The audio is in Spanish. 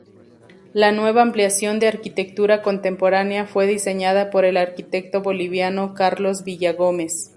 La nueva ampliación de arquitectura contemporánea fue diseñada por el arquitecto boliviano Carlos Villagómez.